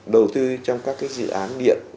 đầu tư trong các dự án điện